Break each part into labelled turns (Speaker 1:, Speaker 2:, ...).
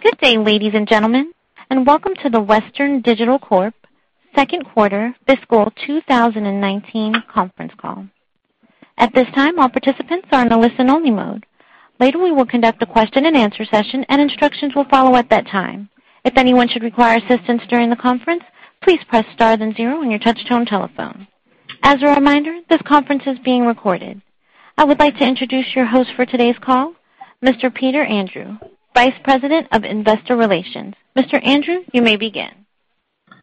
Speaker 1: Good day, ladies and gentlemen, and welcome to the Western Digital Corp second quarter fiscal 2019 conference call. At this time, all participants are in listen only mode. Later, we will conduct a question and answer session, and instructions will follow at that time. If anyone should require assistance during the conference, please press star then zero on your touchtone telephone. As a reminder, this conference is being recorded. I would like to introduce your host for today's call, Mr. Peter Andrew, Vice President of Investor Relations. Mr. Andrew, you may begin.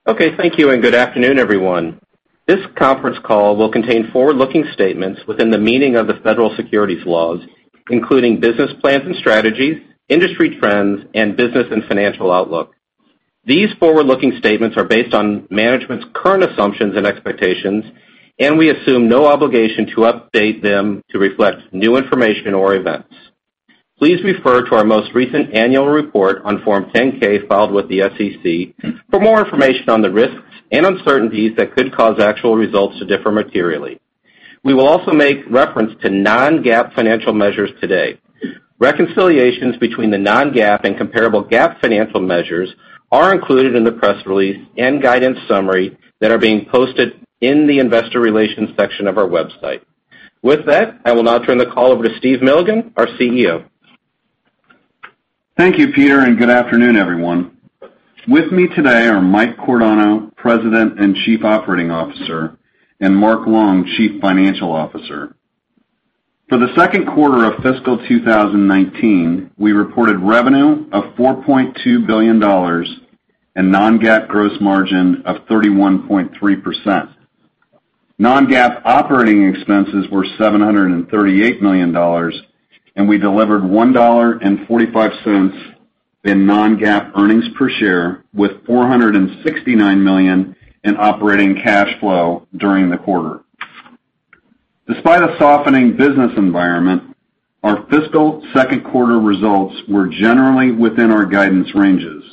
Speaker 2: Thank you. Good afternoon, everyone. This conference call will contain forward-looking statements within the meaning of the federal securities laws, including business plans and strategies, industry trends, and business and financial outlook. These forward-looking statements are based on management's current assumptions and expectations, and we assume no obligation to update them to reflect new information or events. Please refer to our most recent annual report on Form 10-K filed with the SEC for more information on the risks and uncertainties that could cause actual results to differ materially. We will also make reference to non-GAAP financial measures today. Reconciliations between the non-GAAP and comparable GAAP financial measures are included in the press release and guidance summary that are being posted in the investor relations section of our website. With that, I will now turn the call over to Steve Milligan, our CEO.
Speaker 3: Thank you, Peter. Good afternoon, everyone. With me today are Mike Cordano, President and Chief Operating Officer, and Mark Long, Chief Financial Officer. For the second quarter of fiscal 2019, we reported revenue of $4.2 billion and non-GAAP gross margin of 31.3%. Non-GAAP operating expenses were $738 million. We delivered $1.45 in non-GAAP earnings per share, with $469 million in operating cash flow during the quarter. Despite a softening business environment, our fiscal second quarter results were generally within our guidance ranges.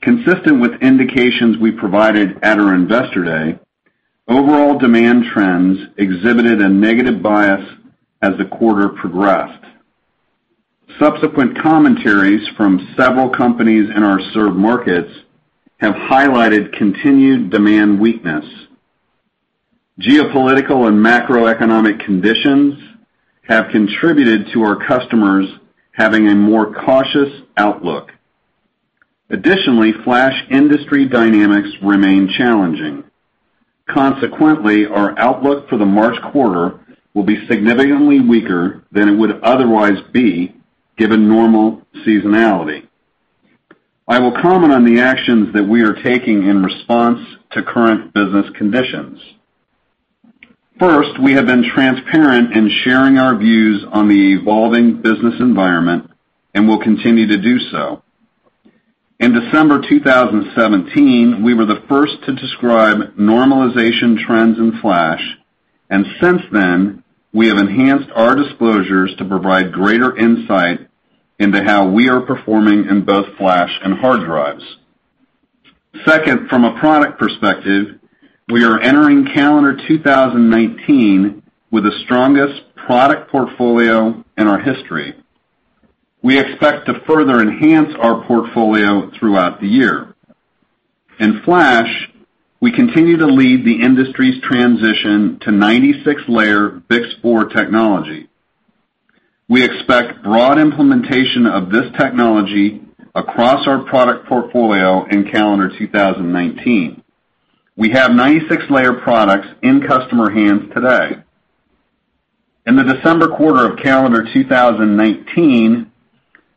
Speaker 3: Consistent with indications we provided at our Investor Day, overall demand trends exhibited a negative bias as the quarter progressed. Subsequent commentaries from several companies in our served markets have highlighted continued demand weakness. Geopolitical and macroeconomic conditions have contributed to our customers having a more cautious outlook. Additionally, flash industry dynamics remain challenging. Consequently, our outlook for the March quarter will be significantly weaker than it would otherwise be given normal seasonality. I will comment on the actions that we are taking in response to current business conditions. First, we have been transparent in sharing our views on the evolving business environment and will continue to do so. In December 2017, we were the first to describe normalization trends in flash, and since then, we have enhanced our disclosures to provide greater insight into how we are performing in both flash and hard drives. Second, from a product perspective, we are entering calendar 2019 with the strongest product portfolio in our history. We expect to further enhance our portfolio throughout the year. In flash, we continue to lead the industry's transition to 96-layer BiCS4 technology. We expect broad implementation of this technology across our product portfolio in calendar 2019. We have 96-layer products in customer hands today. In the December quarter of calendar 2019,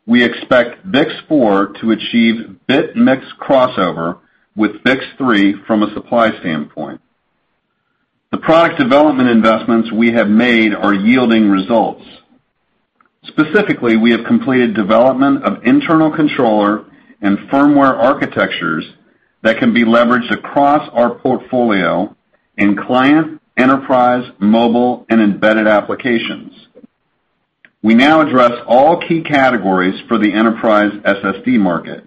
Speaker 3: we expect BiCS4 to achieve bit mix crossover with BiCS3 from a supply standpoint. The product development investments we have made are yielding results. Specifically, we have completed development of internal controller and firmware architectures that can be leveraged across our portfolio in client, enterprise, mobile, and embedded applications. We now address all key categories for the enterprise SSD market.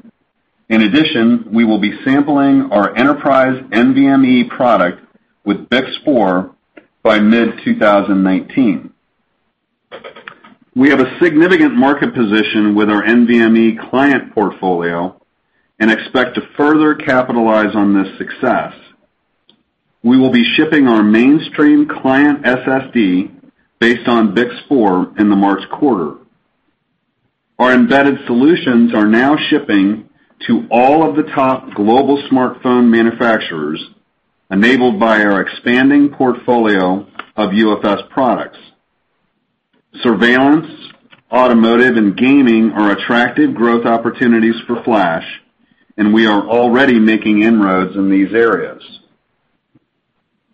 Speaker 3: In addition, we will be sampling our enterprise NVMe product with BiCS4 by mid-2019. We have a significant market position with our NVMe client portfolio and expect to further capitalize on this success. We will be shipping our mainstream client SSD based on BiCS4 in the March quarter. Our embedded solutions are now shipping to all of the top global smartphone manufacturers, enabled by our expanding portfolio of UFS products. Surveillance, automotive, and gaming are attractive growth opportunities for flash, and we are already making inroads in these areas.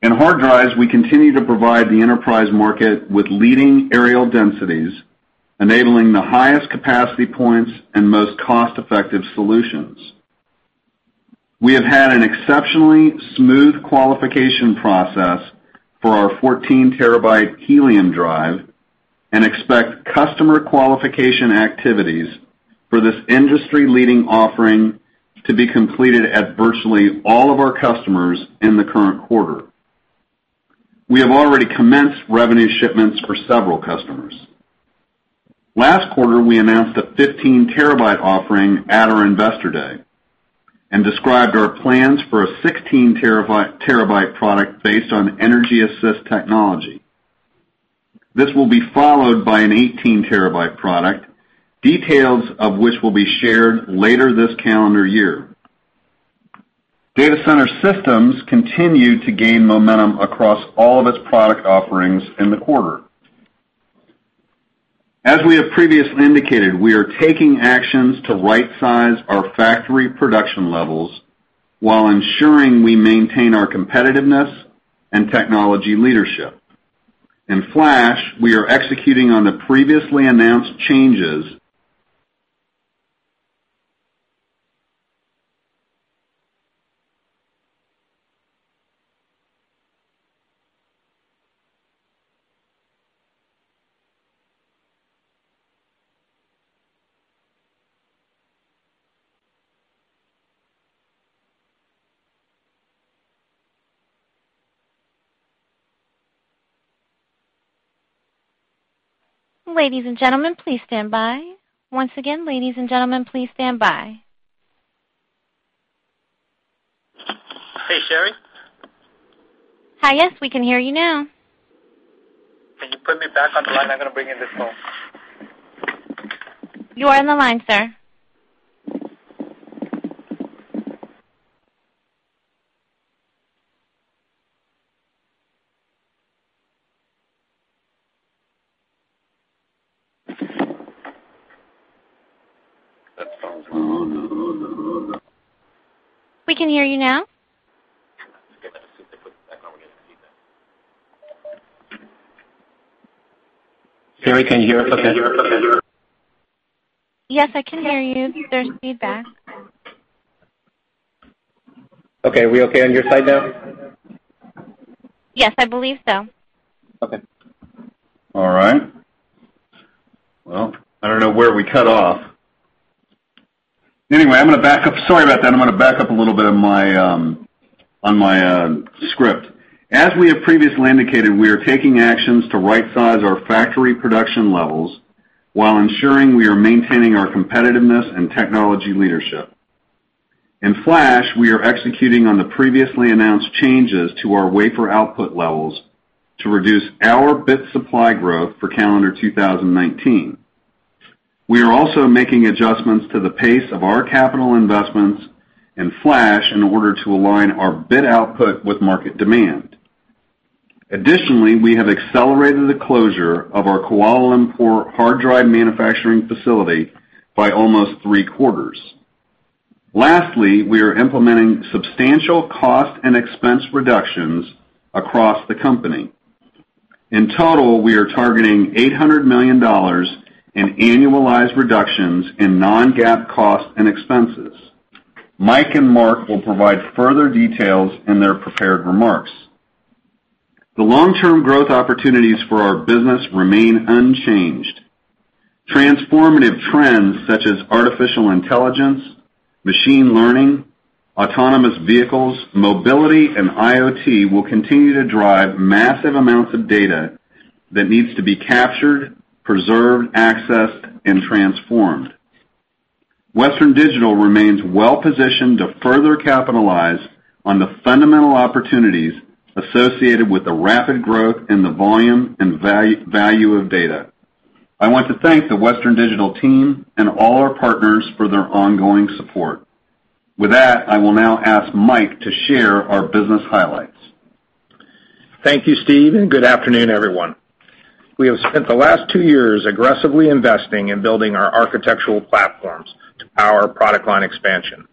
Speaker 3: In hard drives, we continue to provide the enterprise market with leading aerial densities, enabling the highest capacity points and most cost-effective solutions. We have had an exceptionally smooth qualification process for our 14-TB Helium drive and expect customer qualification activities for this industry-leading offering to be completed at virtually all of our customers in the current quarter. We have already commenced revenue shipments for several customers. Last quarter, we announced a 15-TB offering at our Investor Day and described our plans for a 16-TB product based on EnergyAssist technology. This will be followed by an 18-TB product, details of which will be shared later this calendar year. Data center systems continued to gain momentum across all of its product offerings in the quarter. As we have previously indicated, we are taking actions to rightsize our factory production levels while ensuring we maintain our competitiveness and technology leadership. In flash, we are executing on the previously announced changes
Speaker 1: Ladies and gentlemen, please stand by. Once again, ladies and gentlemen, please stand by.
Speaker 3: Hey, Sherry?
Speaker 1: Hi. Yes, we can hear you now.
Speaker 3: Can you put me back on the line? I'm going to bring in this call.
Speaker 1: You are on the line, sir. We can hear you now.
Speaker 3: Sherry, can you hear us okay?
Speaker 1: Yes, I can hear you. There's feedback.
Speaker 3: Okay, are we okay on your side now?
Speaker 1: Yes, I believe so.
Speaker 3: Okay. All right. Well, I don't know where we cut off. Anyway, sorry about that. I'm going to back up a little bit on my script. As we have previously indicated, we are taking actions to rightsize our factory production levels while ensuring we are maintaining our competitiveness and technology leadership. In flash, we are executing on the previously announced changes to our wafer output levels to reduce our bit supply growth for calendar 2019. We are also making adjustments to the pace of our capital investments in flash in order to align our bit output with market demand. Additionally, we have accelerated the closure of our Kuala Lumpur hard drive manufacturing facility by almost three-quarters. Lastly, we are implementing substantial cost and expense reductions across the company. In total, we are targeting $800 million in annualized reductions in non-GAAP costs and expenses. Mike and Mark will provide further details in their prepared remarks. The long-term growth opportunities for our business remain unchanged. Transformative trends such as artificial intelligence, machine learning, autonomous vehicles, mobility, and IoT will continue to drive massive amounts of data that needs to be captured, preserved, accessed, and transformed. Western Digital remains well-positioned to further capitalize on the fundamental opportunities associated with the rapid growth in the volume and value of data. I want to thank the Western Digital team and all our partners for their ongoing support. With that, I will now ask Mike to share our business highlights.
Speaker 4: Thank you, Steve, and good afternoon, everyone. We have spent the last two years aggressively investing in building our architectural platforms to power product line expansion.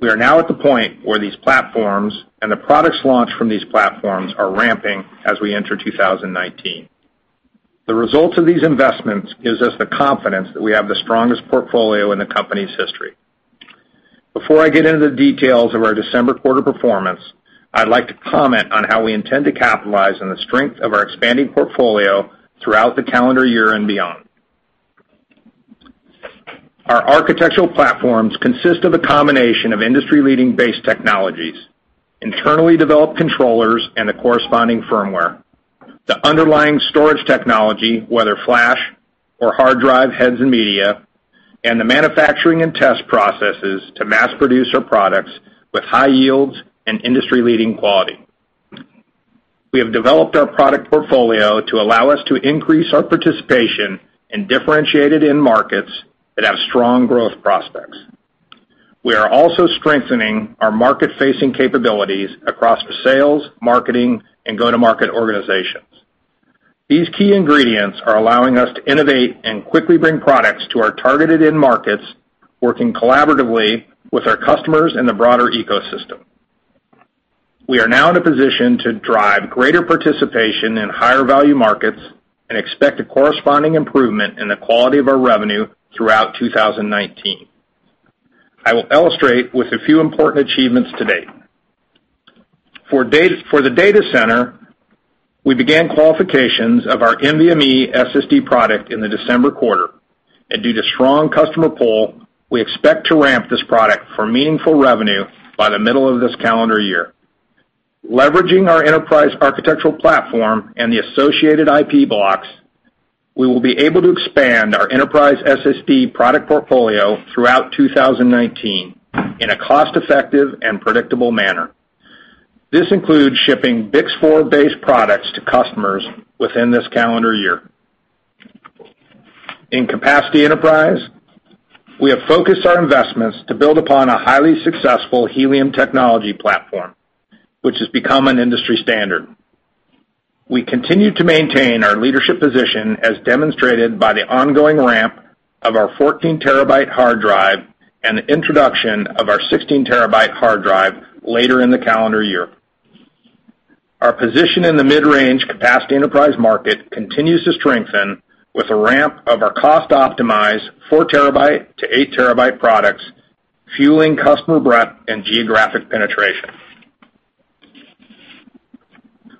Speaker 4: We are now at the point where these platforms and the products launched from these platforms are ramping as we enter 2019. The results of these investments gives us the confidence that we have the strongest portfolio in the company's history. Before I get into the details of our December quarter performance, I'd like to comment on how we intend to capitalize on the strength of our expanding portfolio throughout the calendar year and beyond. Our architectural platforms consist of a combination of industry-leading base technologies, internally developed controllers, and the corresponding firmware, the underlying storage technology, whether flash or hard drive heads and media, and the manufacturing and test processes to mass produce our products with high yields and industry-leading quality. We have developed our product portfolio to allow us to increase our participation and differentiate it in markets that have strong growth prospects. We are also strengthening our market-facing capabilities across the sales, marketing, and go-to-market organizations. These key ingredients are allowing us to innovate and quickly bring products to our targeted end markets, working collaboratively with our customers in the broader ecosystem. We are now in a position to drive greater participation in higher-value markets and expect a corresponding improvement in the quality of our revenue throughout 2019. I will illustrate with a few important achievements to date. For the data center, we began qualifications of our NVMe SSD product in the December quarter. Due to strong customer pull, we expect to ramp this product for meaningful revenue by the middle of this calendar year. Leveraging our enterprise architectural platform and the associated IP blocks, we will be able to expand our enterprise SSD product portfolio throughout 2019 in a cost-effective and predictable manner. This includes shipping BiCS4-based products to customers within this calendar year. In capacity enterprise, we have focused our investments to build upon a highly successful Helium technology platform, which has become an industry standard. We continue to maintain our leadership position as demonstrated by the ongoing ramp of our 14 TB hard drive and the introduction of our 16 TB hard drive later in the calendar year. Our position in the mid-range capacity enterprise market continues to strengthen with the ramp of our cost-optimized 4 TB to 8 TB products, fueling customer breadth and geographic penetration.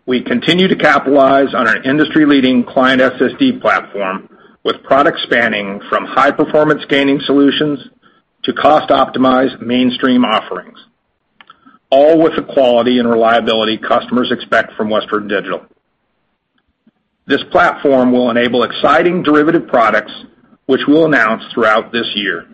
Speaker 4: We continue to capitalize on our industry-leading client SSD platform with products spanning from high-performance gaming solutions to cost-optimized mainstream offerings, all with the quality and reliability customers expect from Western Digital. This platform will enable exciting derivative products which we'll announce throughout this year.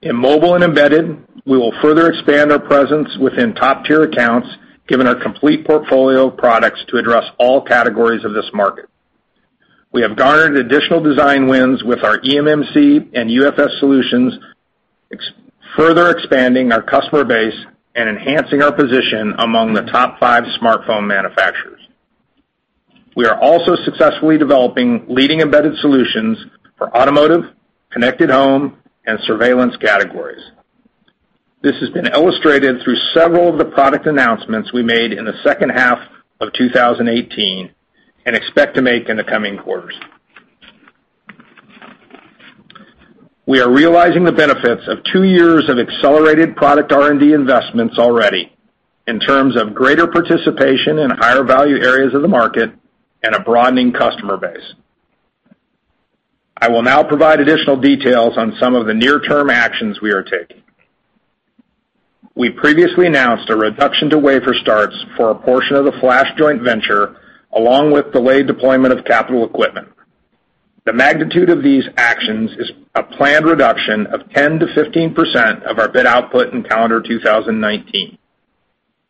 Speaker 4: In mobile and embedded, we will further expand our presence within top-tier accounts, given our complete portfolio of products to address all categories of this market. We have garnered additional design wins with our eMMC and UFS solutions, further expanding our customer base and enhancing our position among the top five smartphone manufacturers. We are also successfully developing leading embedded solutions for automotive, connected home, and surveillance categories. This has been illustrated through several of the product announcements we made in the second half of 2018 and expect to make in the coming quarters. We are realizing the benefits of two years of accelerated product R&D investments already in terms of greater participation in higher-value areas of the market and a broadening customer base. I will now provide additional details on some of the near-term actions we are taking. We previously announced a reduction to wafer starts for a portion of the flash joint venture, along with delayed deployment of capital equipment. The magnitude of these actions is a planned reduction of 10% to 15% of our bit output in calendar 2019.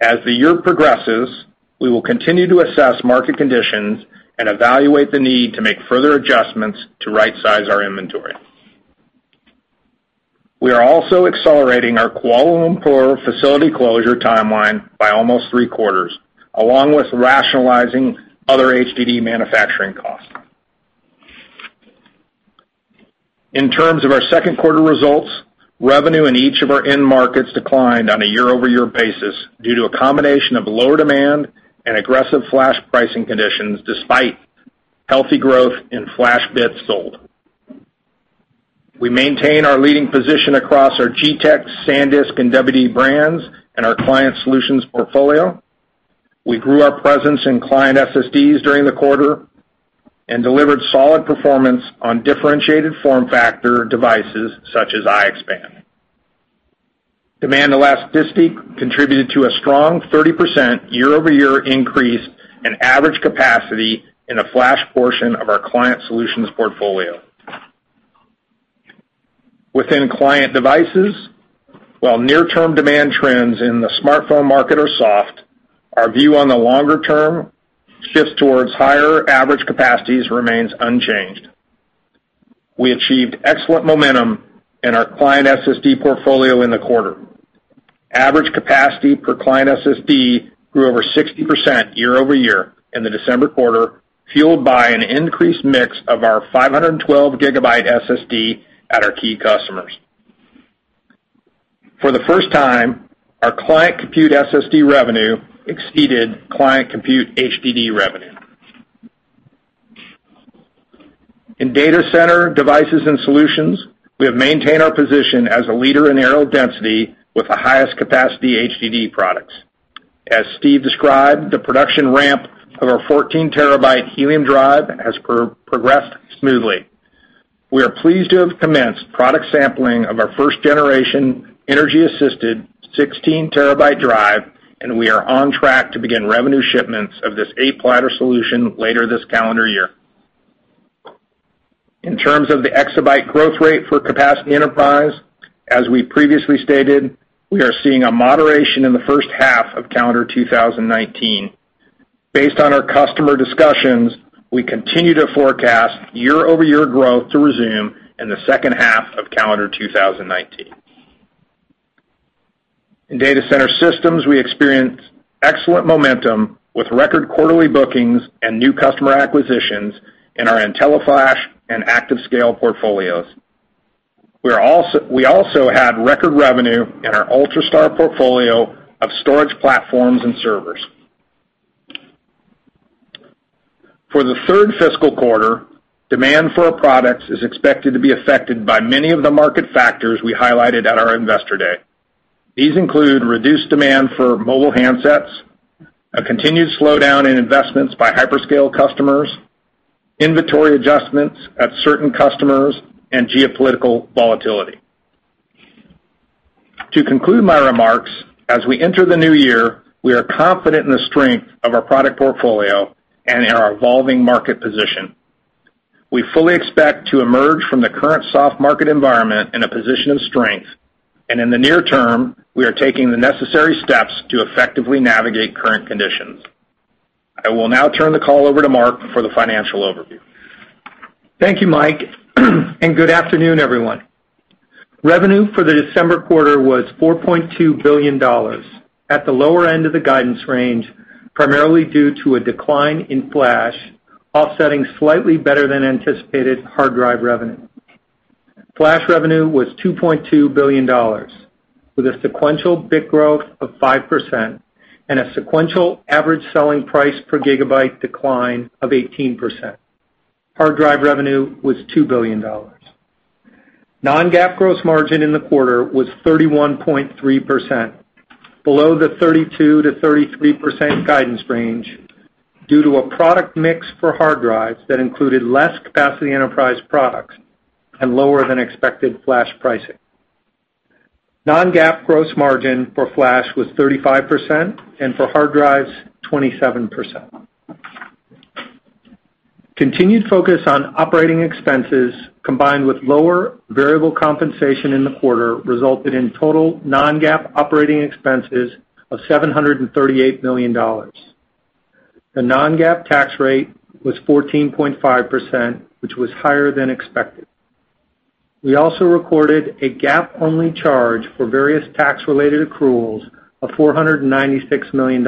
Speaker 4: As the year progresses, we will continue to assess market conditions and evaluate the need to make further adjustments to right-size our inventory. We are also accelerating our Kuala Lumpur facility closure timeline by almost three quarters, along with rationalizing other HDD manufacturing costs. In terms of our second quarter results, revenue in each of our end markets declined on a year-over-year basis due to a combination of lower demand and aggressive flash pricing conditions despite healthy growth in flash bits sold. We maintain our leading position across our G-Technology, SanDisk, and WD brands and our client solutions portfolio. We grew our presence in client SSDs during the quarter and delivered solid performance on differentiated form factor devices such as iXpand. Demand elasticity contributed to a strong 30% year-over-year increase in average capacity in the flash portion of our client solutions portfolio. Within client devices, while near-term demand trends in the smartphone market are soft, our view on the longer-term shift towards higher average capacities remains unchanged. We achieved excellent momentum in our client SSD portfolio in the quarter. Average capacity per client SSD grew over 60% year-over-year in the December quarter, fueled by an increased mix of our 512-GB SSD at our key customers. For the first time, our client compute SSD revenue exceeded client compute HDD revenue. In data center devices and solutions, we have maintained our position as a leader in aerial density with the highest capacity HDD products. As Steve described, the production ramp of our 14-TB Helium drive has progressed smoothly. We are pleased to have commenced product sampling of our first-generation Energy-Assisted 16-TB drive, and we are on track to begin revenue shipments of this eight-platter solution later this calendar year. In terms of the EB growth rate for capacity enterprise, as we previously stated, we are seeing a moderation in the first half of calendar 2019. Based on our customer discussions, we continue to forecast year-over-year growth to resume in the second half of calendar 2019. In data center systems, we experienced excellent momentum with record quarterly bookings and new customer acquisitions in our IntelliFlash and ActiveScale portfolios. We also had record revenue in our Ultrastar portfolio of storage platforms and servers. For the third fiscal quarter, demand for our products is expected to be affected by many of the market factors we highlighted at our investor day. These include reduced demand for mobile handsets. A continued slowdown in investments by hyperscale customers, inventory adjustments at certain customers, and geopolitical volatility. To conclude my remarks, as we enter the new year, we are confident in the strength of our product portfolio and in our evolving market position. We fully expect to emerge from the current soft market environment in a position of strength. In the near term, we are taking the necessary steps to effectively navigate current conditions. I will now turn the call over to Mark for the financial overview.
Speaker 5: Thank you, Mike. Good afternoon, everyone. Revenue for the December quarter was $4.2 billion, at the lower end of the guidance range, primarily due to a decline in flash, offsetting slightly better than anticipated hard drive revenue. Flash revenue was $2.2 billion, with a sequential bit growth of 5% and a sequential average selling price per GB decline of 18%. Hard drive revenue was $2 billion. Non-GAAP gross margin in the quarter was 31.3%, below the 32%-33% guidance range due to a product mix for hard drives that included less capacity enterprise products and lower than expected flash pricing. Non-GAAP gross margin for flash was 35%, and for hard drives, 27%. Continued focus on operating expenses, combined with lower variable compensation in the quarter, resulted in total non-GAAP operating expenses of $738 million. The non-GAAP tax rate was 14.5%, which was higher than expected. We also recorded a GAAP-only charge for various tax-related accruals of $496 million,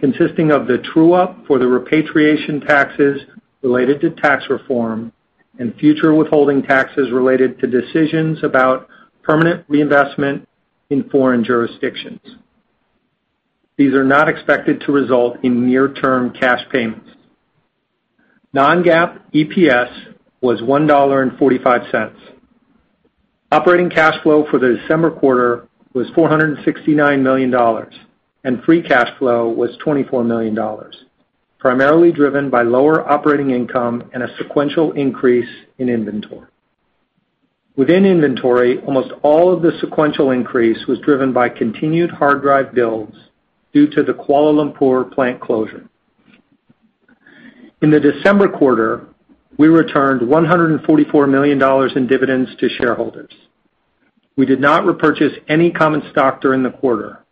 Speaker 5: consisting of the true-up for the repatriation taxes related to tax reform and future withholding taxes related to decisions about permanent reinvestment in foreign jurisdictions. These are not expected to result in near-term cash payments. Non-GAAP EPS was $1.45. Operating cash flow for the December quarter was $469 million, and free cash flow was $24 million, primarily driven by lower operating income and a sequential increase in inventory. Within inventory, almost all of the sequential increase was driven by continued hard drive builds due to the Kuala Lumpur plant closure. In the December quarter, we returned $144 million in dividends to shareholders. We did not repurchase any common stock during the quarter.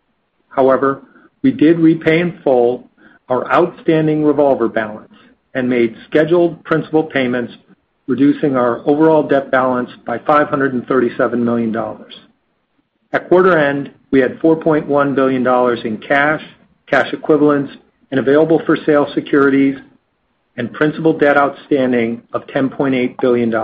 Speaker 5: However, we did repay in full our outstanding revolver balance and made scheduled principal payments, reducing our overall debt balance by $537 million. At quarter end, we had $4.1 billion in cash equivalents, and available-for-sale securities and principal debt outstanding of $10.8 billion.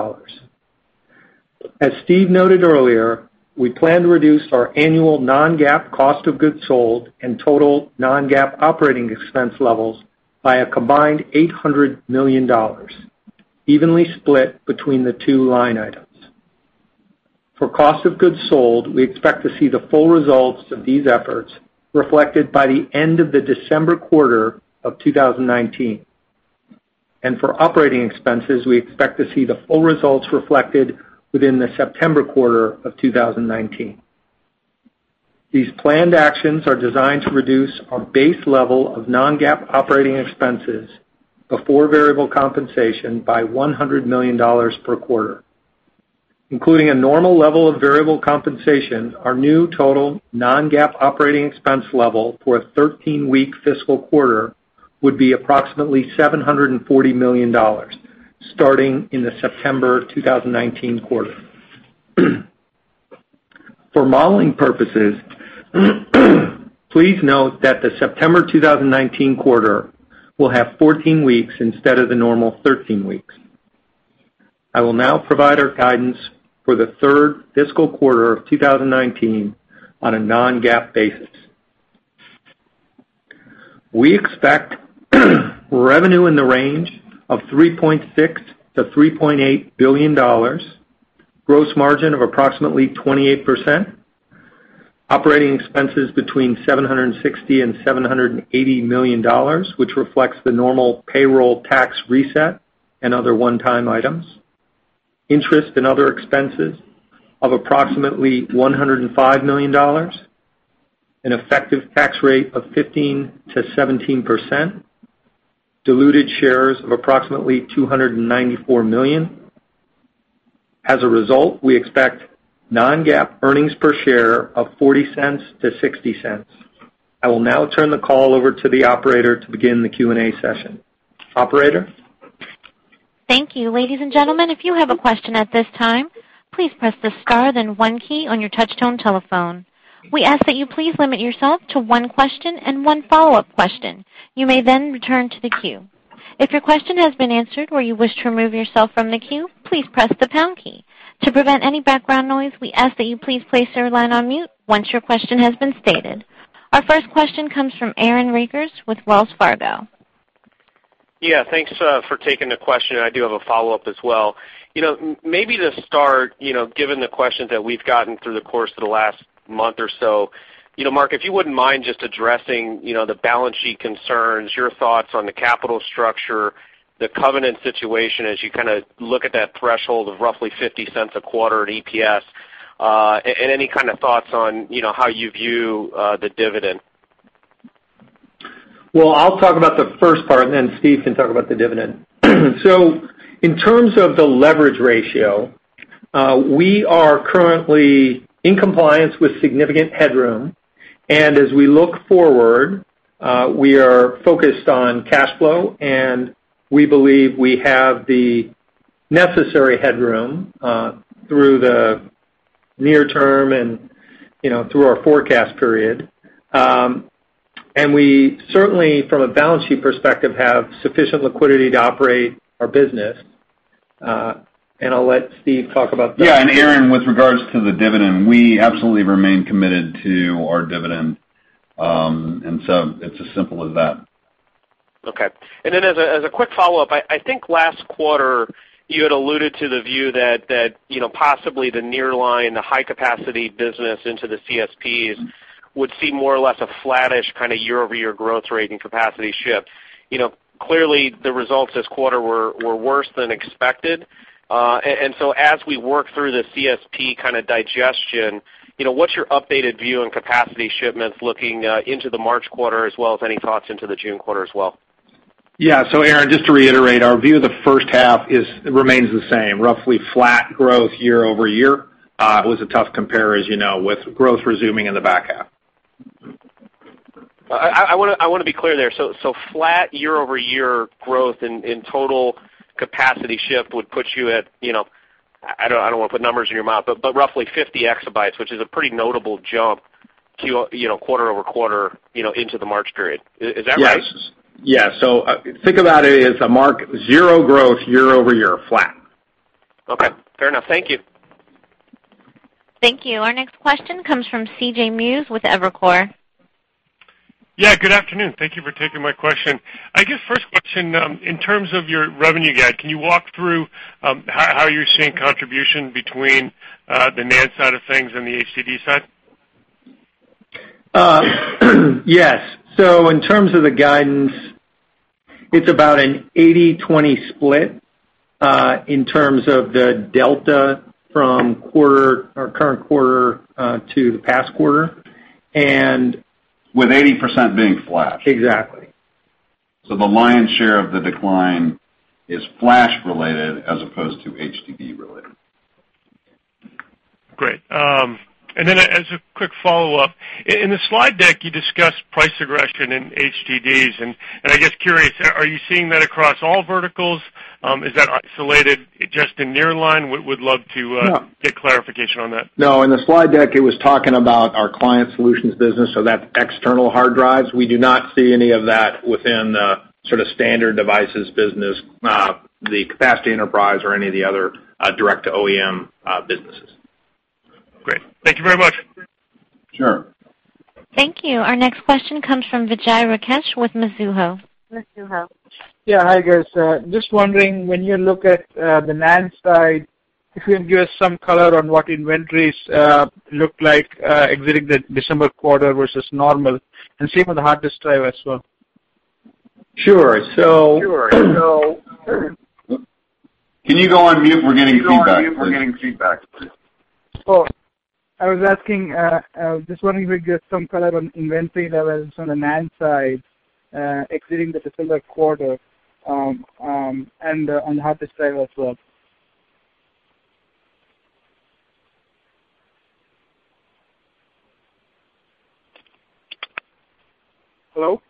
Speaker 5: As Steve noted earlier, we plan to reduce our annual non-GAAP cost of goods sold and total non-GAAP operating expense levels by a combined $800 million, evenly split between the two line items. For cost of goods sold, we expect to see the full results of these efforts reflected by the end of the December quarter of 2019. For operating expenses, we expect to see the full results reflected within the September quarter of 2019. These planned actions are designed to reduce our base level of non-GAAP operating expenses before variable compensation by $100 million per quarter. Including a normal level of variable compensation, our new total non-GAAP operating expense level for a 13-week fiscal quarter would be approximately $740 million, starting in the September 2019 quarter. For modeling purposes, please note that the September 2019 quarter will have 14 weeks instead of the normal 13 weeks. I will now provide our guidance for the third fiscal quarter of 2019 on a non-GAAP basis. We expect revenue in the range of $3.6 billion-$3.8 billion, gross margin of approximately 28%, Operating Expenses between $760 million and $780 million, which reflects the normal payroll tax reset and other one-time items, interest and other expenses of approximately $105 million, an effective tax rate of 15%-17%, diluted shares of approximately 294 million. As a result, we expect non-GAAP earnings per share of $0.40 to $0.60. I will now turn the call over to the operator to begin the Q&A session. Operator?
Speaker 1: Thank you. Ladies and gentlemen, if you have a question at this time, please press the star then one key on your touchtone telephone. We ask that you please limit yourself to one question and one follow-up question. You may then return to the queue. If your question has been answered or you wish to remove yourself from the queue, please press the pound key. To prevent any background noise, we ask that you please place your line on mute once your question has been stated. Our first question comes from Aaron Rakers with Wells Fargo.
Speaker 6: Yeah. Thanks for taking the question, and I do have a follow-up as well. Maybe to start, given the questions that we've gotten through the course of the last month or so, Mark, if you wouldn't mind just addressing the balance sheet concerns, your thoughts on the capital structure, the covenant situation as you look at that threshold of roughly $0.50 a quarter at EPS, and any kind of thoughts on how you view the dividend.
Speaker 5: Well, I'll talk about the first part, and then Steve can talk about the dividend. In terms of the leverage ratio, we are currently in compliance with significant headroom, and as we look forward, we are focused on cash flow, and we believe we have the necessary headroom through the near term and through our forecast period. We certainly, from a balance sheet perspective, have sufficient liquidity to operate our business. I'll let Steve talk about that.
Speaker 3: Yeah, Aaron, with regards to the dividend, we absolutely remain committed to our dividend. It's as simple as that.
Speaker 6: Okay. Then as a quick follow-up, I think last quarter you had alluded to the view that possibly the nearline, the high-capacity business into the CSPs would see more or less a flattish year-over-year growth rate in capacity shift. Clearly, the results this quarter were worse than expected. As we work through the CSP digestion, what's your updated view on capacity shipments looking into the March quarter, as well as any thoughts into the June quarter as well?
Speaker 5: Yeah. Aaron, just to reiterate, our view of the first half remains the same, roughly flat growth year-over-year. It was a tough compare, as you know, with growth resuming in the back half.
Speaker 6: I want to be clear there. Flat year-over-year growth in total capacity shift would put you at, I don't want to put numbers in your mouth, but roughly 50 EB, which is a pretty notable jump quarter-over-quarter into the March period. Is that right?
Speaker 5: Yes. Think about it as a mark zero growth year-over-year, flat.
Speaker 6: Okay. Fair enough. Thank you.
Speaker 1: Thank you. Our next question comes from CJ Muse with Evercore.
Speaker 7: Yeah, good afternoon. Thank you for taking my question. I guess first question, in terms of your revenue guide, can you walk through how you're seeing contribution between the NAND side of things and the HDD side?
Speaker 5: Yes. In terms of the guidance, it's about an 80/20 split in terms of the delta from our current quarter to the past quarter.
Speaker 3: With 80% being flash.
Speaker 5: Exactly.
Speaker 3: The lion's share of the decline is flash related as opposed to HDD related.
Speaker 7: Great. As a quick follow-up, in the slide deck, you discussed price aggression in HDDs, and I'm just curious, are you seeing that across all verticals? Is that isolated just in nearline? Would love to
Speaker 5: No
Speaker 7: get clarification on that.
Speaker 3: No, in the slide deck, it was talking about our Client Solutions business, so that's external hard drives. We do not see any of that within the sort of standard devices business, the Capacity Enterprise or any of the other direct OEM businesses.
Speaker 7: Great. Thank you very much.
Speaker 3: Sure.
Speaker 1: Thank you. Our next question comes from Vijay Rakesh with Mizuho.
Speaker 8: Yeah. Hi, guys. Just wondering, when you look at the NAND side, if you can give us some color on what inventories look like exiting the December quarter versus normal, and same for the hard disk drive as well.
Speaker 5: Sure.
Speaker 3: Can you go on mute? We're getting feedback.
Speaker 8: Oh. I was asking, just wondering if we get some color on inventory levels on the NAND side, exiting the December quarter, and on hard disk drive as well. Hello?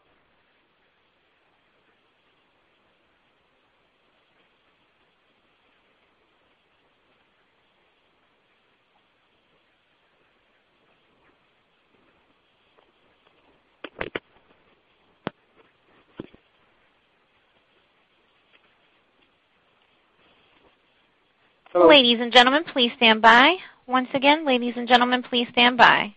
Speaker 1: Ladies and gentlemen, please stand by. Once again, ladies and gentlemen, please stand by.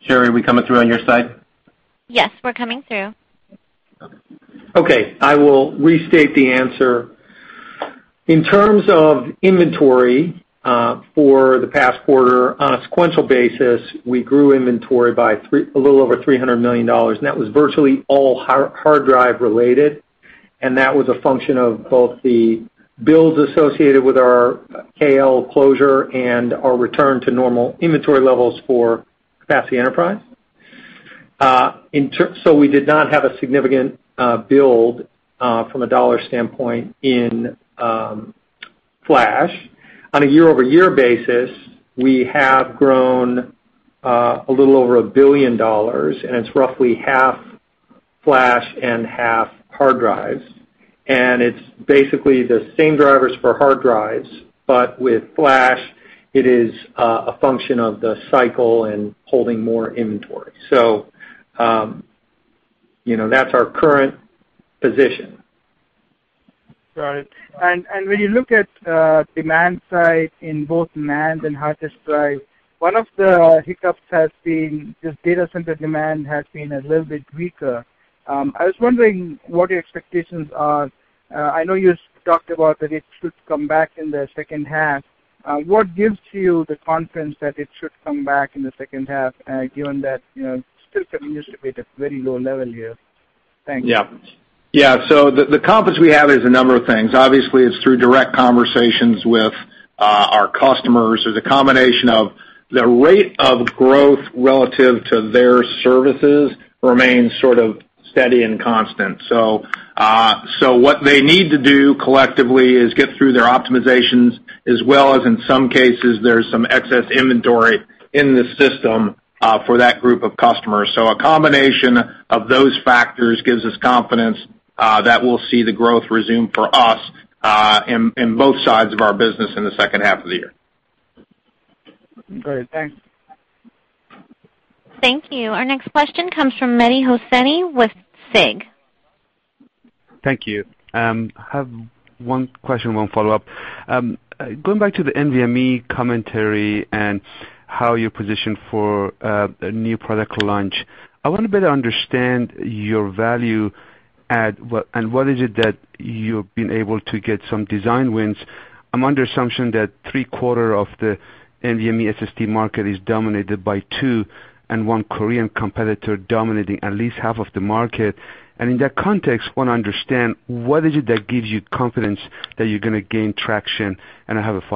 Speaker 5: Sherry, are we coming through on your side?
Speaker 1: Yes, we're coming through.
Speaker 5: Okay. I will restate the answer. In terms of inventory for the past quarter, on a sequential basis, we grew inventory by a little over $300 million. That was virtually all hard drive related, and that was a function of both the builds associated with our KL closure and our return to normal inventory levels for Capacity-Enterprise. We did not have a significant build from a dollar standpoint in flash. On a year-over-year basis, we have grown a little over $1 billion, and it's roughly half flash and half hard drives. It's basically the same drivers for hard drives, but with flash. It is a function of the cycle and holding more inventory. That's our current position.
Speaker 8: Got it. When you look at demand side in both NAND and hard disk drive, one of the hiccups has been just data center demand has been a little bit weaker. I was wondering what your expectations are. I know you talked about that it should come back in the second half. What gives you the confidence that it should come back in the second half, given that it still continues to be at a very low level here? Thank you.
Speaker 3: Yeah. The confidence we have is a number of things. Obviously, it's through direct conversations with our customers. There's a combination of the rate of growth relative to their services remains sort of steady and constant. What they need to do collectively is get through their optimizations as well as in some cases, there's some excess inventory in the system for that group of customers. A combination of those factors gives us confidence that we'll see the growth resume for us in both sides of our business in the second half of the year.
Speaker 8: Great. Thanks.
Speaker 1: Thank you. Our next question comes from Mehdi Hosseini with SIG.
Speaker 9: Thank you. I have one question, one follow-up. Going back to the NVMe commentary and how you position for a new product launch. I want to better understand your value add, and what is it that you've been able to get some design wins. I'm under assumption that three-quarter of the NVMe SSD market is dominated by two, and one Korean competitor dominating at least half of the market. In that context, want to understand what is it that gives you confidence that you're going to gain traction? I have a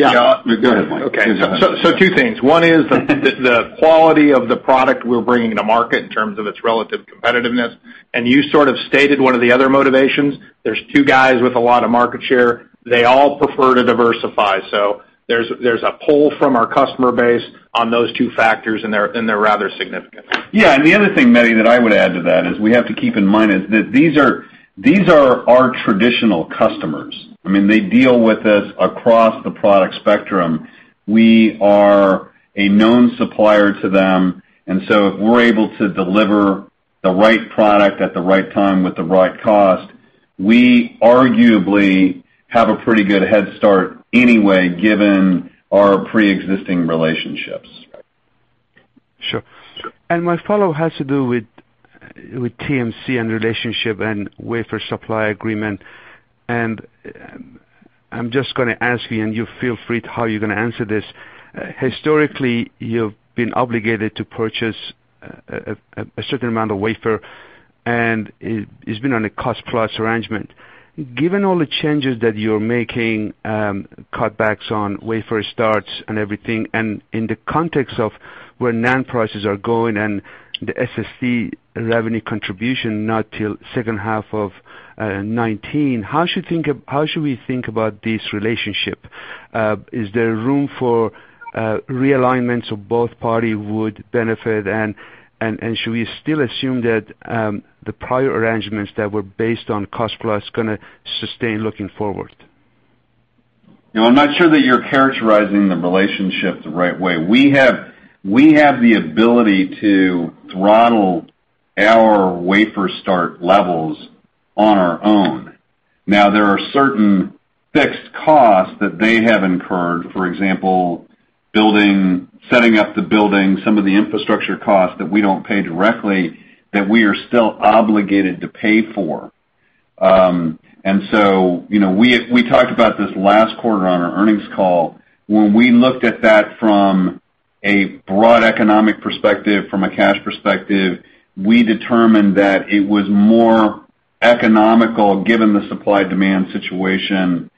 Speaker 9: follow-up.
Speaker 3: Go ahead, Mike.
Speaker 4: Two things. One is the quality of the product we're bringing to market in terms of its relative competitiveness, and you sort of stated one of the other motivations. There's two guys with a lot of market share. They all prefer to diversify. There's a pull from our customer base on those two factors, and they're rather significant.
Speaker 3: The other thing, Mehdi, that I would add to that is we have to keep in mind is that these are our traditional customers. They deal with us across the product spectrum. We are a known supplier to them, and so if we're able to deliver the right product at the right time with the right cost, we arguably have a pretty good head start anyway, given our preexisting relationships.
Speaker 9: My follow has to do with TMC and relationship and wafer supply agreement. I'm just going to ask you, and you feel free how you're going to answer this. Historically, you've been obligated to purchase a certain amount of wafer, and it's been on a cost-plus arrangement. Given all the changes that you're making, cutbacks on wafer starts and everything, and in the context of where NAND prices are going and the SSD revenue contribution not till second half of 2019, how should we think about this relationship? Is there room for realignments of both party would benefit, and should we still assume that, the prior arrangements that were based on cost-plus going to sustain looking forward?
Speaker 3: I'm not sure that you're characterizing the relationship the right way. We have the ability to throttle our wafer start levels on our own. Now, there are certain fixed costs that they have incurred, for example, setting up the building, some of the infrastructure costs that we don't pay directly that we are still obligated to pay for. We talked about this last quarter on our earnings call. When we looked at that from a broad economic perspective, from a cash perspective, we determined that it was more economical, given the supply-demand situation,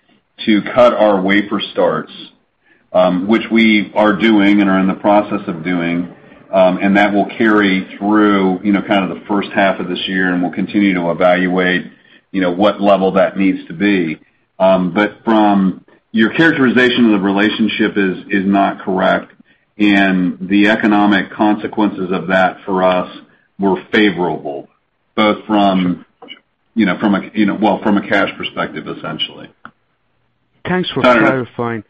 Speaker 3: to cut our wafer starts, which we are doing and are in the process of doing. That will carry through kind of the first half of this year, and we'll continue to evaluate what level that needs to be. From your characterization of the relationship is not correct, and the economic consequences of that for us were favorable, both from a cash perspective, essentially.
Speaker 9: Thanks for clarifying.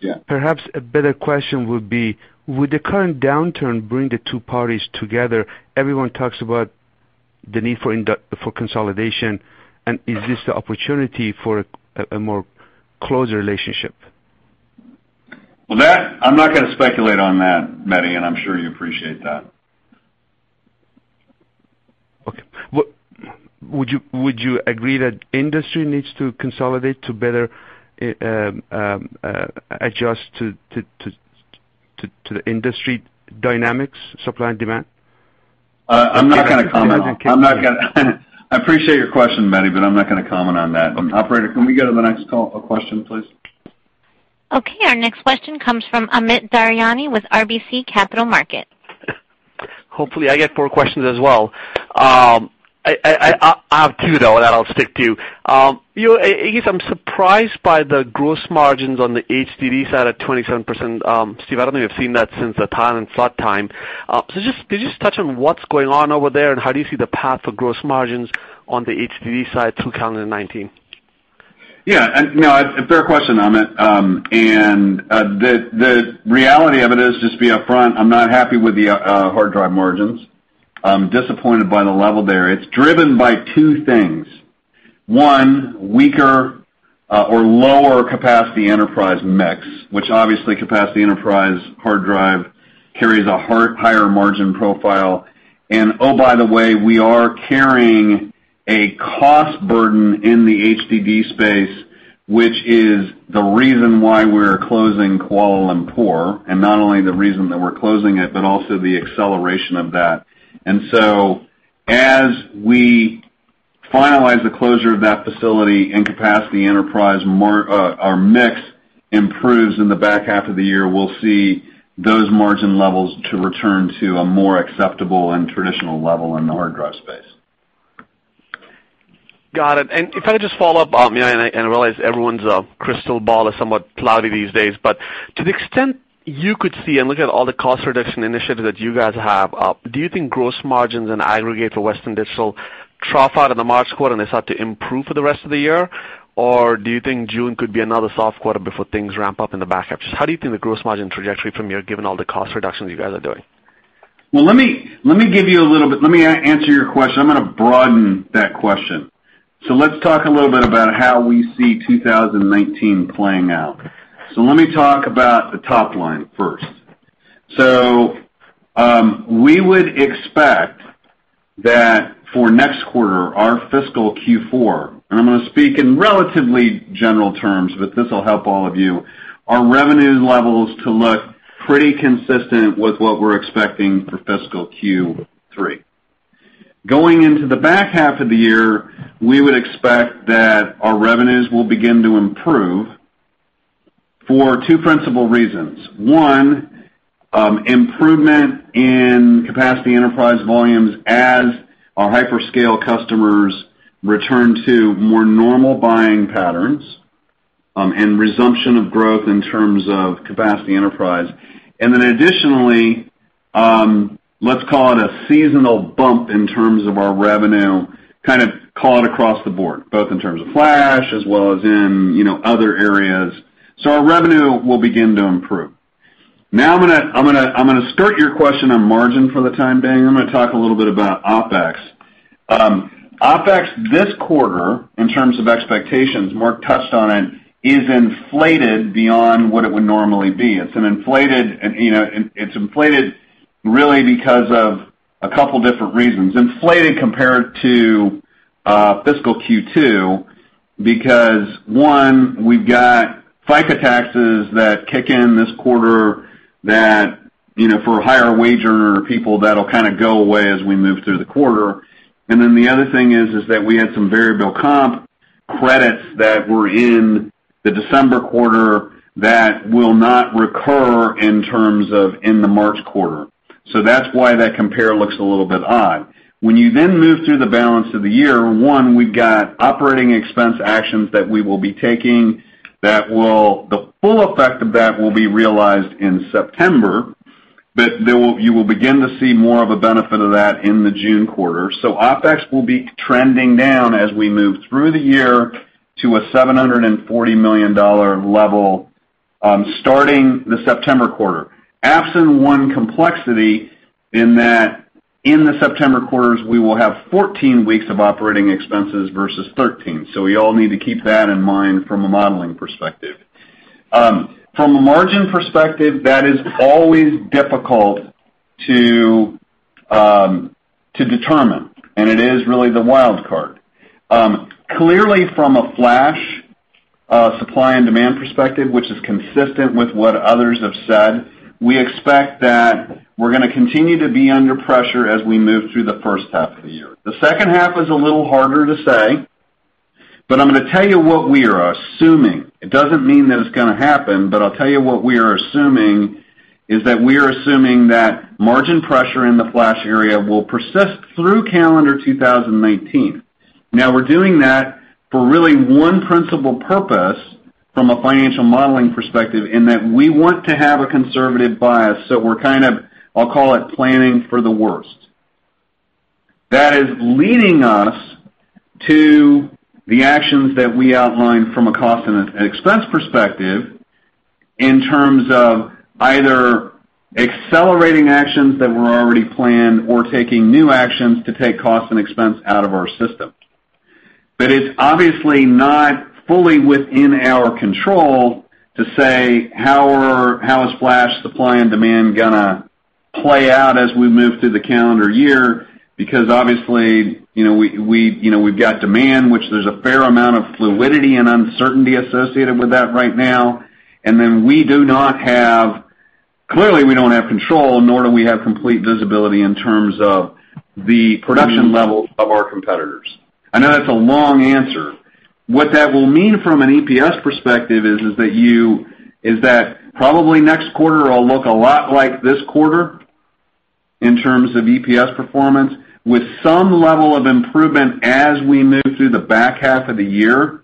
Speaker 3: Yeah.
Speaker 9: Perhaps a better question would be, would the current downturn bring the two parties together? Everyone talks about the need for consolidation, and is this the opportunity for a more closer relationship?
Speaker 3: Well, that I'm not going to speculate on that, Mehdi, and I'm sure you appreciate that.
Speaker 9: Okay. Would you agree that industry needs to consolidate to better adjust to the industry dynamics, supply and demand?
Speaker 3: I appreciate your question, Mehdi, but I'm not going to comment on that. Operator, can we go to the next question, please?
Speaker 1: Okay, our next question comes from Amit Daryanani with RBC Capital Markets.
Speaker 10: Hopefully, I get four questions as well. I have two, though, that I'll stick to. I guess I'm surprised by the gross margins on the HDD side at 27%, Steve, I don't think I've seen that since a time and slot time. Just could you just touch on what's going on over there, and how do you see the path for gross margins on the HDD side through calendar 2019?
Speaker 3: Yeah. No, it's a fair question, Amit. The reality of it is, just to be upfront, I'm not happy with the hard drive margins. I'm disappointed by the level there. It's driven by two things. One, weaker or lower capacity enterprise mix, which obviously capacity enterprise hard drive carries a higher margin profile. Oh, by the way, we are carrying a cost burden in the HDD space, which is the reason why we're closing Kuala Lumpur, not only the reason that we're closing it, but also the acceleration of that. As we finalize the closure of that facility and capacity enterprise, our mix improves in the back half of the year, we'll see those margin levels to return to a more acceptable and traditional level in the hard drive space.
Speaker 10: Got it. If I could just follow up, I realize everyone's crystal ball is somewhat cloudy these days, but to the extent you could see and look at all the cost reduction initiatives that you guys have, do you think gross margins in aggregate for Western Digital trough out of the March quarter and they start to improve for the rest of the year? Or do you think June could be another soft quarter before things ramp up in the back half? Just how do you think the gross margin trajectory from here, given all the cost reductions you guys are doing?
Speaker 3: Well, let me answer your question. I'm going to broaden that question. Let's talk a little bit about how we see 2019 playing out. Let me talk about the top line first. We would expect that for next quarter, our fiscal Q4, and I'm going to speak in relatively general terms, but this'll help all of you, our revenue levels to look pretty consistent with what we're expecting for fiscal Q3. Going into the back half of the year, we would expect that our revenues will begin to improve for two principal reasons. One, improvement in capacity enterprise volumes as our hyperscale customers return to more normal buying patterns, and resumption of growth in terms of capacity enterprise. Additionally, let's call it a seasonal bump in terms of our revenue, kind of call it across the board, both in terms of flash as well as in other areas. Our revenue will begin to improve. Now I'm going to skirt your question on margin for the time being. I'm going to talk a little bit about OpEx. OpEx this quarter, in terms of expectations, Mark touched on it, is inflated beyond what it would normally be. It's inflated really because of a couple different reasons. Inflated compared to fiscal Q2 because one, we've got FICA taxes that kick in this quarter that for higher wager people, that'll kind of go away as we move through the quarter. The other thing is that we had some variable comp credits that were in the December quarter that will not recur in terms of in the March quarter. That's why that compare looks a little bit odd. When you move through the balance of the year, one, we've got operating expense actions that we will be taking, the full effect of that will be realized in September. You will begin to see more of a benefit of that in the June quarter. OpEx will be trending down as we move through the year to a $740 million level, starting the September quarter. Absent one complexity in that in the September quarters, we will have 14 weeks of operating expenses versus 13. We all need to keep that in mind from a modeling perspective. From a margin perspective, that is always difficult to determine, and it is really the wild card. From a flash supply and demand perspective, which is consistent with what others have said, we expect that we're going to continue to be under pressure as we move through the first half of the year. The second half is a little harder to say, but I'm going to tell you what we are assuming. It doesn't mean that it's going to happen, but I'll tell you what we are assuming is that we are assuming that margin pressure in the flash area will persist through calendar 2019. We're doing that for really one principal purpose from a financial modeling perspective in that we want to have a conservative bias. We're kind of, I'll call it planning for the worst. That is leading us to the actions that we outlined from a cost and an expense perspective in terms of either accelerating actions that were already planned or taking new actions to take cost and expense out of our system. It's obviously not fully within our control to say how is flash supply and demand going to play out as we move through the calendar year, because obviously, we've got demand, which there's a fair amount of fluidity and uncertainty associated with that right now. We do not have, clearly we don't have control, nor do we have complete visibility in terms of the production levels of our competitors. I know that's a long answer. What that will mean from an EPS perspective is that probably next quarter will look a lot like this quarter in terms of EPS performance with some level of improvement as we move through the back half of the year,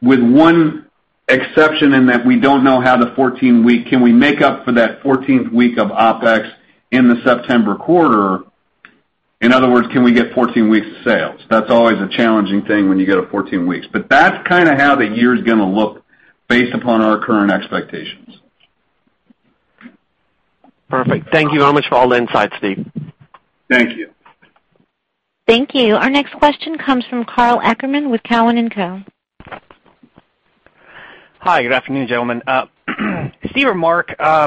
Speaker 3: with one exception in that we don't know how the 14-week, can we make up for that 14th week of OpEx in the September quarter. In other words, can we get 14 weeks of sales? That's always a challenging thing when you get to 14 weeks. That's kind of how the year's going to look based upon our current expectations.
Speaker 10: Perfect. Thank you very much for all the insight, Steve.
Speaker 3: Thank you.
Speaker 1: Thank you. Our next question comes from Karl Ackerman with Cowen and Co.
Speaker 11: Hi. Good afternoon, gentlemen. Steve or Mark, I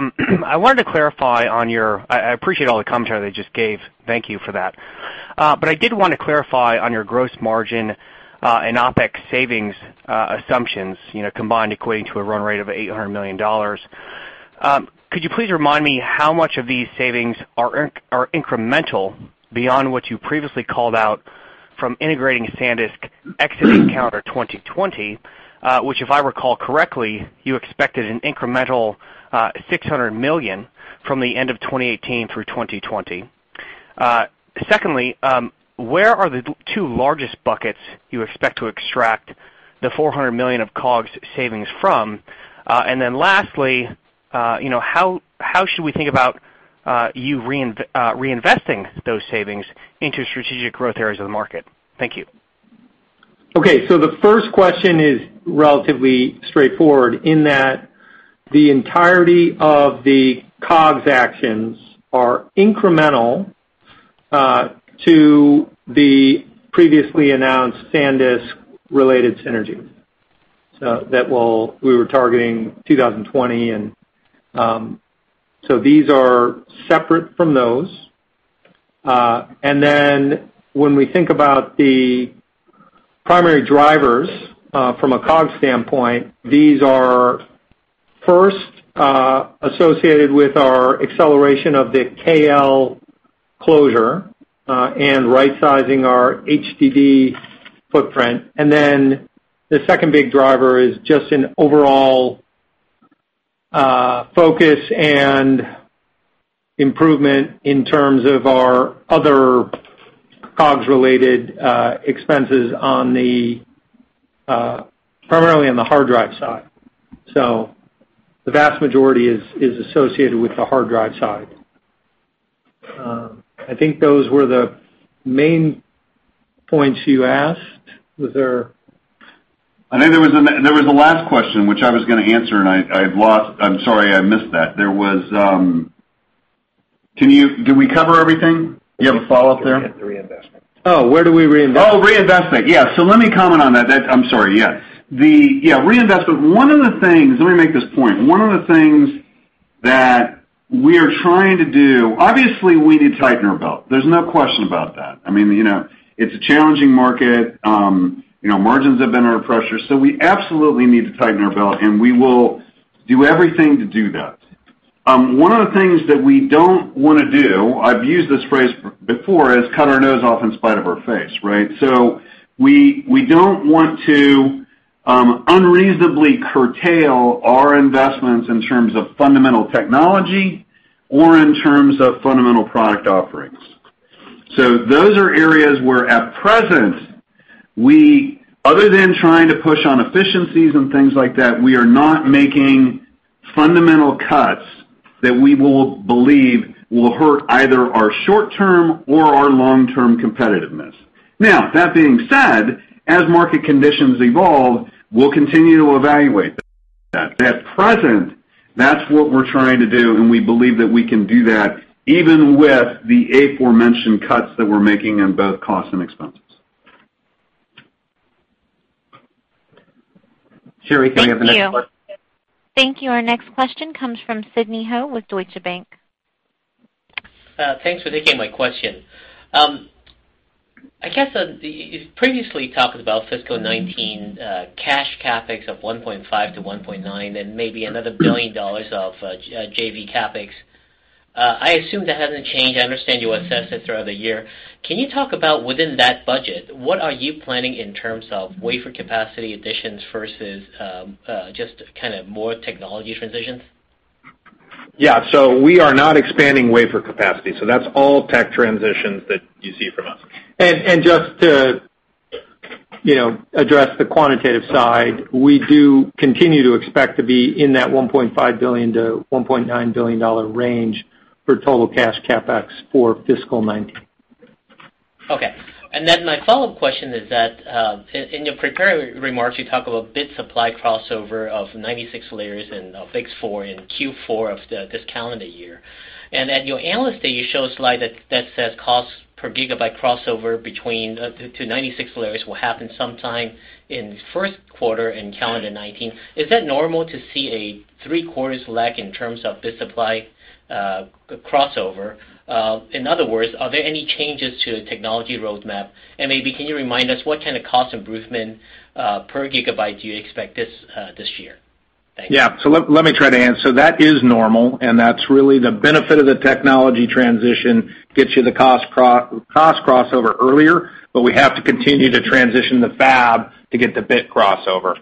Speaker 11: appreciate all the commentary that you just gave. Thank you for that. I did want to clarify on your gross margin and OpEx savings assumptions, combined equating to a run rate of $800 million. Could you please remind me how much of these savings are incremental beyond what you previously called out from integrating SanDisk exiting calendar 2020, which if I recall correctly, you expected an incremental $600 million from the end of 2018 through 2020. Secondly, where are the two largest buckets you expect to extract the $400 million of COGS savings from? Lastly, how should we think about you reinvesting those savings into strategic growth areas of the market? Thank you.
Speaker 3: The first question is relatively straightforward in that the entirety of the COGS actions are incremental to the previously announced SanDisk-related synergy. That we were targeting 2020, these are separate from those. When we think about the primary drivers, from a COGS standpoint, these are first associated with our acceleration of the KL closure and right-sizing our HDD footprint. The second big driver is just an overall focus and improvement in terms of our other COGS-related expenses primarily on the hard drive side. The vast majority is associated with the hard drive side. I think those were the main points you asked. I think there was a last question, which I was going to answer, I'm sorry I missed that. Did we cover everything? Do you have a follow-up there?
Speaker 11: The reinvestment.
Speaker 3: Where do we reinvest? Reinvestment. Let me comment on that. I'm sorry. Reinvestment. Let me make this point. One of the things that we are trying to do, obviously, we need to tighten our belt. There's no question about that. It's a challenging market, margins have been under pressure, we absolutely need to tighten our belt, and we will do everything to do that. One of the things that we don't want to do, I've used this phrase before, is cut our nose off in spite of our face. Right? We don't want to unreasonably curtail our investments in terms of fundamental technology or in terms of fundamental product offerings. Those are areas where at present, other than trying to push on efficiencies and things like that, we are not making fundamental cuts that we believe will hurt either our short-term or our long-term competitiveness. That being said, as market conditions evolve, we'll continue to evaluate that. At present, that's what we're trying to do, and we believe that we can do that yeven with the aforementioned cuts that we're making in both costs and expenses. Sherry can we have the next question?
Speaker 1: Thank you. Our next question comes from Sidney Ho with Deutsche Bank.
Speaker 12: Thanks for taking my question. I guess, you previously talked about fiscal 2019 cash CapEx of $1.5 billion-$1.9 billion and maybe another $1 billion of JV CapEx. I assume that hasn't changed. I understand you assess it throughout the year. Can you talk about within that budget, what are you planning in terms of wafer capacity additions versus just more technology transitions?
Speaker 3: Yeah. We are not expanding wafer capacity, that's all tech transitions that you see from us. Just to address the quantitative side, we do continue to expect to be in that $1.5 billion-$1.9 billion range for total cash CapEx for fiscal 2019.
Speaker 12: Okay. My follow-up question is that, in your prepared remarks, you talk about bit supply crossover of 96 layers and BiCS4 in Q4 of this calendar year. At your analyst day, you show a slide that says cost per GB crossover to 96 layers will happen sometime in the first quarter in calendar 2019. Is that normal to see a three-quarters lag in terms of bit supply crossover? In other words, are there any changes to the technology roadmap? Maybe can you remind us what kind of cost improvement per GB do you expect this year? Thanks.
Speaker 5: Let me try to answer. That is normal, and that's really the benefit of the technology transition gets you the cost crossover earlier, but we have to continue to transition the fab to get the bit crossover.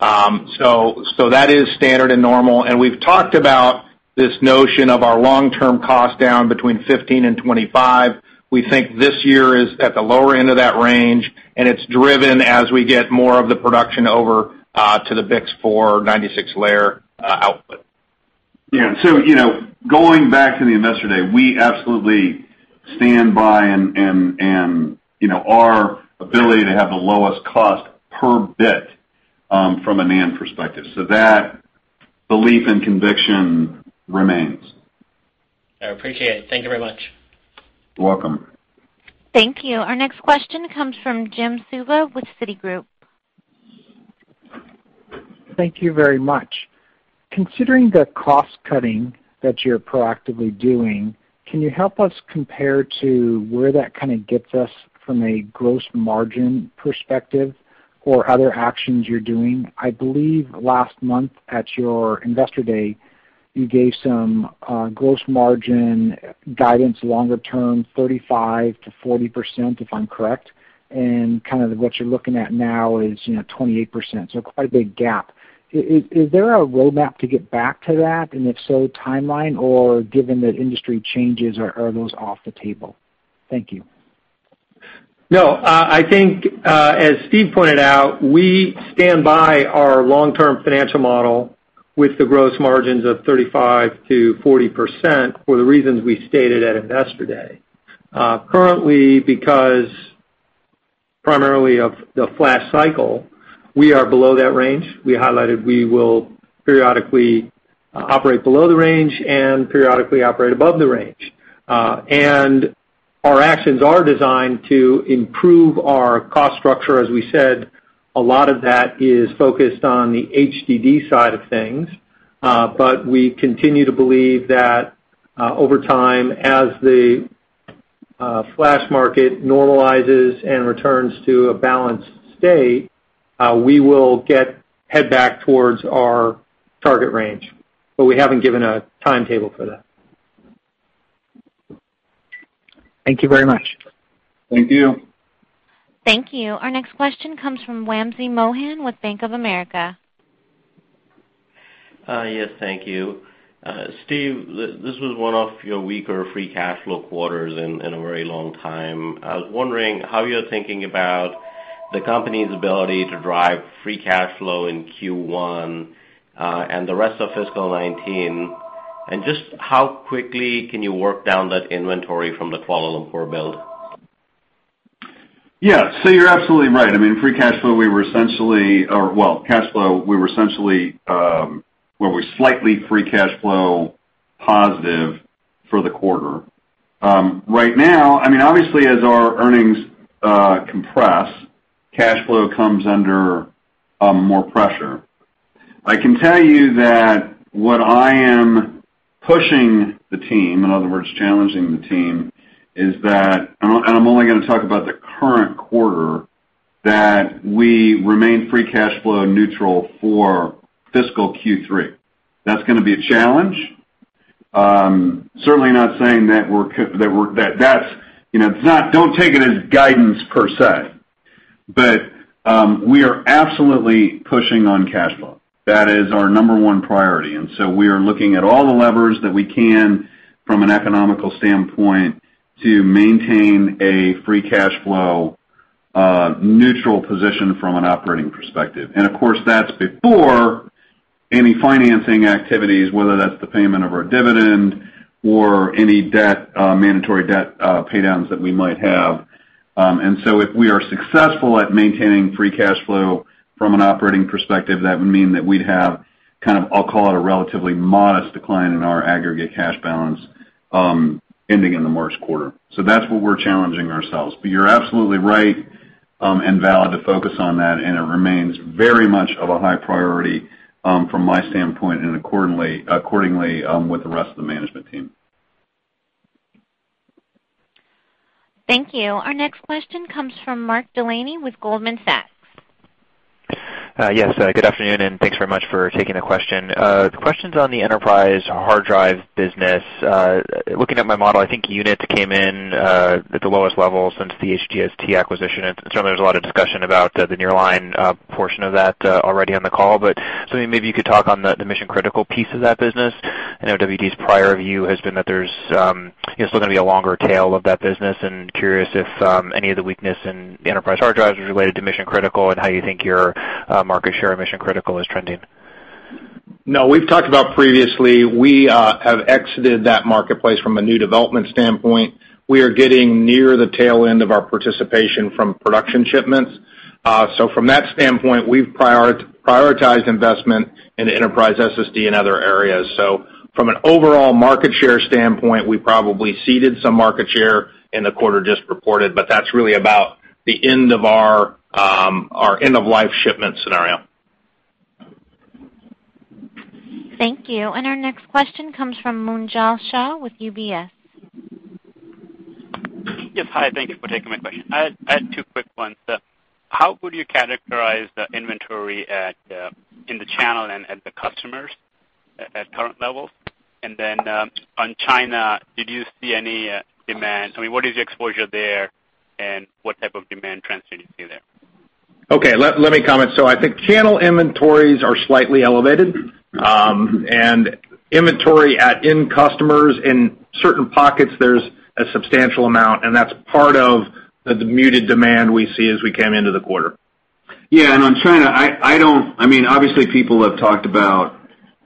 Speaker 5: That is standard and normal, and we've talked about this notion of our long-term cost down between 15 and 25. We think this year is at the lower end of that range, and it's driven as we get more of the production over to the BiCS4 96-layer output.
Speaker 3: Going back to the Investor Day, we absolutely stand by our ability to have the lowest cost per bit, from a NAND perspective. That belief and conviction remains.
Speaker 12: I appreciate it. Thank you very much.
Speaker 3: You're welcome.
Speaker 1: Thank you. Our next question comes from Jim Suva with Citigroup.
Speaker 13: Thank you very much. Considering the cost-cutting that you're proactively doing, can you help us compare to where that kind of gets us from a gross margin perspective or other actions you're doing? I believe last month at your investor day, you gave some gross margin guidance longer term, 35% to 40%, if I'm correct, and what you're looking at now is 28%, quite a big gap. Is there a roadmap to get back to that? If so, timeline, or given that industry changes, are those off the table? Thank you.
Speaker 5: I think, as Steve pointed out, we stand by our long-term financial model with the gross margins of 35% to 40% for the reasons we stated at Investor Day. Currently, because primarily of the flash cycle, we are below that range. We highlighted we will periodically operate below the range and periodically operate above the range. Our actions are designed to improve our cost structure. As we said, a lot of that is focused on the HDD side of things. We continue to believe that, over time, as the flash market normalizes and returns to a balanced state, we will head back towards our target range. We haven't given a timetable for that.
Speaker 13: Thank you very much.
Speaker 5: Thank you.
Speaker 1: Thank you. Our next question comes from Wamsi Mohan with Bank of America.
Speaker 14: Yes, thank you. Steve, this was one of your weaker free cash flow quarters in a very long time. I was wondering how you're thinking about the company's ability to drive free cash flow in Q1, and the rest of fiscal 2019, and just how quickly can you work down that inventory from the Kuala Lumpur build?
Speaker 3: Yeah. You're absolutely right. We were slightly free cash flow positive for the quarter. Right now, obviously as our earnings compress, cash flow comes under more pressure. I can tell you that what I am pushing the team, in other words, challenging the team, is that, and I'm only going to talk about the current quarter, that we remain free cash flow neutral for fiscal Q3. That's going to be a challenge. Certainly not saying that. Don't take it as guidance per se, but we are absolutely pushing on cash flow. That is our number one priority, and we are looking at all the levers that we can from an economical standpoint to maintain a free cash flow neutral position from an operating perspective. Of course, that's before any financing activities, whether that's the payment of our dividend or any mandatory debt pay downs that we might have. If we are successful at maintaining free cash flow from an operating perspective, that would mean that we'd have, I'll call it a relatively modest decline in our aggregate cash balance, ending in the March quarter. That's what we're challenging ourselves. You're absolutely right, and valid to focus on that, and it remains very much of a high priority, from my standpoint and accordingly, with the rest of the management team.
Speaker 1: Thank you. Our next question comes from Mark Delaney with Goldman Sachs.
Speaker 15: Yes. Good afternoon, and thanks very much for taking the question. The question's on the enterprise hard drive business. Looking at my model, I think units came in at the lowest level since the HGST acquisition. I'm sure there's a lot of discussion about the nearline portion of that already on the call, but just wondering if maybe you could talk on the mission-critical piece of that business. I know WD's prior view has been that there's still going to be a longer tail of that business. Curious if any of the weakness in enterprise hard drives was related to mission-critical, and how you think your market share in mission-critical is trending.
Speaker 3: No. We've talked about previously, we have exited that marketplace from a new development standpoint. We are getting near the tail end of our participation from production shipments. From that standpoint, we've prioritized investment into enterprise SSD and other areas. From an overall market share standpoint, we probably ceded some market share in the quarter just reported, but that's really about the end of our end-of-life shipment scenario.
Speaker 1: Thank you. Our next question comes from Munjal Shah with UBS.
Speaker 16: Yes. Hi, thank you for taking my question. I had two quick ones. How would you characterize the inventory in the channel and at the customers at current levels? On China, did you see any demand? What is your exposure there, and what type of demand trends do you see there?
Speaker 4: Okay. Let me comment. I think channel inventories are slightly elevated, and inventory at end customers, in certain pockets, there's a substantial amount, and that's part of the muted demand we see as we came into the quarter.
Speaker 3: Yeah. On China, obviously people have talked about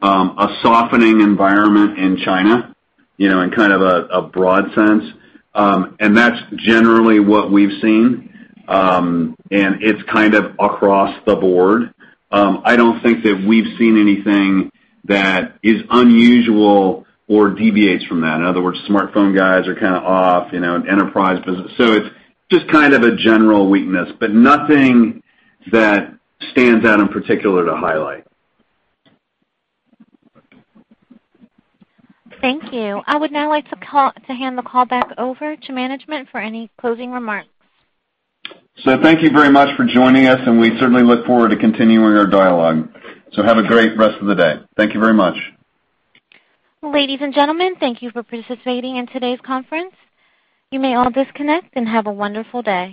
Speaker 3: a softening environment in China, in kind of a broad sense. That's generally what we've seen. It's kind of across the board. I don't think that we've seen anything that is unusual or deviates from that. In other words, smartphone guys are kind of off, and enterprise business. It's just kind of a general weakness, but nothing that stands out in particular to highlight.
Speaker 1: Thank you. I would now like to hand the call back over to management for any closing remarks.
Speaker 3: Thank you very much for joining us, and we certainly look forward to continuing our dialogue. Have a great rest of the day. Thank you very much.
Speaker 1: Ladies and gentlemen, thank you for participating in today's conference. You may all disconnect, and have a wonderful day.